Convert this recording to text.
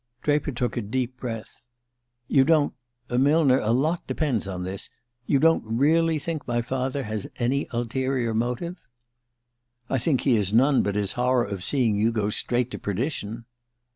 Draper took a deep breath. "You don't Millner, a lot depends on this you don't really think my father has any ulterior motive?" "I think he has none but his horror of seeing you go straight to perdition!"